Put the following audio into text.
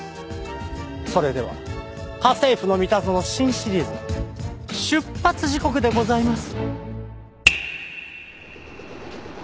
それでは『家政夫のミタゾノ』新シリーズ出発時刻でございます。